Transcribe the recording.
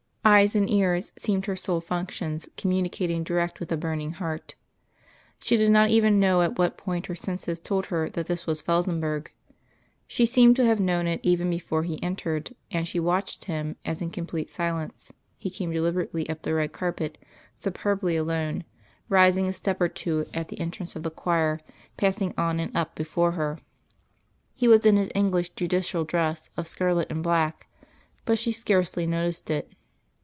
Eyes and ear seemed her sole functions, communicating direct with a burning heart. She did not even know at what point her senses told her that this was Felsenburgh. She seemed to have known it even before he entered, and she watched Him as in complete silence He came deliberately up the red carpet, superbly alone, rising a step or two at the entrance of the choir, passing on and up before her. He was in his English judicial dress of scarlet and black, but she scarcely noticed it.